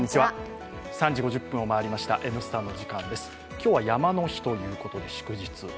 今日は山の日ということです。